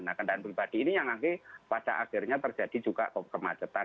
nah kendaraan pribadi ini yang akhirnya terjadi juga kemacetan